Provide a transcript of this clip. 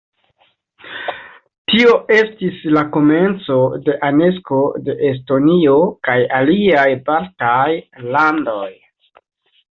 Tio estis la komenco de anekso de Estonio kaj aliaj Baltaj Landoj.